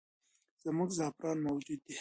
زموږ زعفران موجود وي.